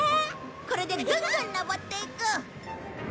これでぐんぐん上っていく！